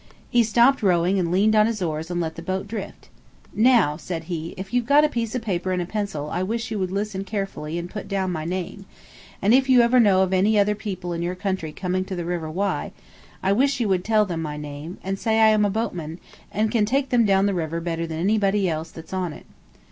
He stopped rowing and leaned on his oars and let the boat drift. "Now," said he, "if you've got a piece of paper and a pencil I wish you would listen careful and put down my name, and if you ever know of any other people in your country coming to the River Wye, I wish you would tell them my name, and say I am a boatman, and can take them down the river better than anybody else that's on it.